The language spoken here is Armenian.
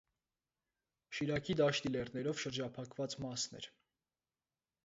Շիրակի դաշտի լեռներով շրջափակված մասն էր։